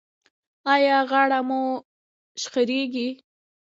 ایا غاړه مو شخیږي؟